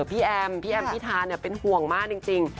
พี่แอมพี่แอมพิธาเป็นห่วงมากจริง